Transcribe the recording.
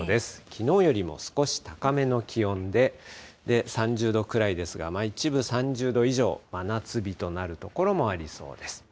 きのうよりも少し高めの気温で、３０度くらいですが、一部３０度以上、真夏日となる所もありそうです。